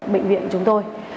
bệnh viện chúng tôi